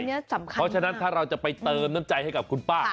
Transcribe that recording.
เพราะฉะนั้นถ้าเราจะไปเติมน้ำใจให้กับคุณป้า